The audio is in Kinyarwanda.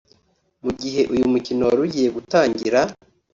Mu gihe uyu mukino wari ugiye gutangira